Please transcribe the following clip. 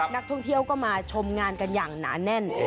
นักท่องเที่ยวก็มาชมงานกันอย่างหนาแน่น